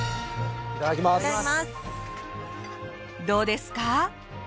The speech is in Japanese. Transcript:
どうですか？